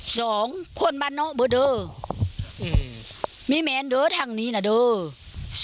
สองคนบ้านนอมแบบเดิมมีแม่เดอะทางนี้หน่ะเดิม